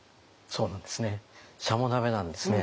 そうなんですね。